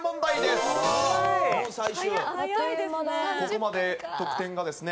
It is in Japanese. ここまで得点がですね